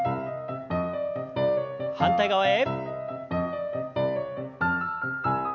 反対側へ。